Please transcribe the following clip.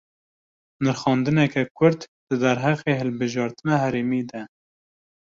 Nirxandineke kurt, di derheqê hilbijartina herêmî de